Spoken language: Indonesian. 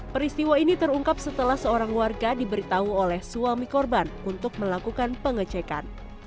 peristiwa ini terungkap setelah seorang warga diberitahu oleh suami korban untuk melakukan pengecekan